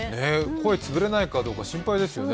声潰れないかどうか心配ですよね。